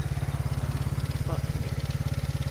不堪一擊